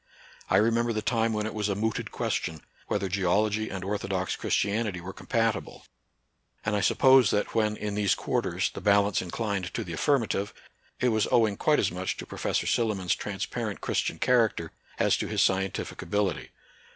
I remember the time when it was a mooted question whether geology and orthodox Christianity were compatible ; and I suppose that when, in these quarters, the bal ance inclined to the affirmative, it was owing quite as much to Professor Silliman's transpar ent Christian character as to his scientific abil ity.